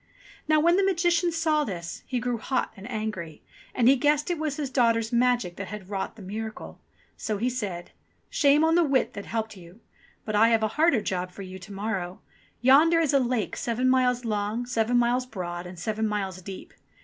Now when the Magician saw this, he grew hot and angry, and he guessed it was his daughter's magic that had wrought the miracle. So he said: "Shame on the wit that helped you ; but I have a harder job for you to morrow. Yonder is a lake seven miles long, seven miles broad, and seven miles deep.